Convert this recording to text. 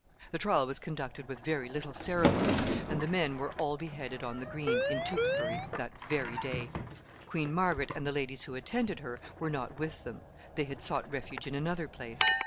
The trial was conducted with very little ceremony, and the men were all beheaded on the green, in Tewkesbury, that very day. Queen Margaret and the ladies who attended her were not with them. They had sought refuge in another place.